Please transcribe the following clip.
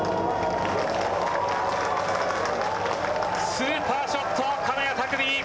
スーパーショット、金谷拓実。